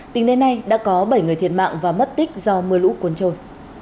tính đến nay đã có bảy người thiệt mạng và mất tích do mưa lũ cuốn trôi